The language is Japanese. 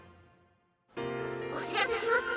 「お知らせします。